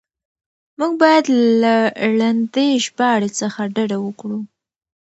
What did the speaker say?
موږ بايد له ړندې ژباړې څخه ډډه وکړو.